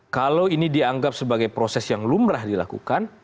kalau ini dianggap sebagai proses yang lumrah dilakukan